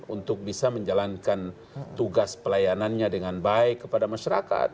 untuk bisa menjalankan tugas pelayanannya dengan baik kepada masyarakat